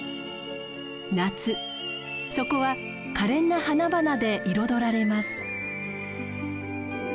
夏そこはかれんな花々で彩られます。